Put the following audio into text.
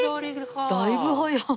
だいぶ早い。